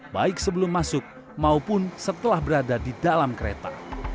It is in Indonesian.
baik sebelum masuk maupun setelah berada di dalam kereta